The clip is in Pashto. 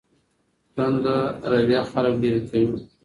تنده رویه خلګ لیرې کوي.